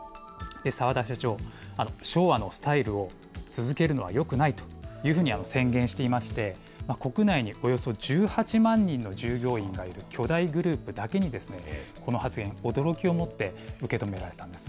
澤田社長、昭和のスタイルを続けるのはよくないというふうに宣言していまして、国内におよそ１８万人の従業員がいる巨大グループだけに、この発言、驚きを持って受け止められたんです。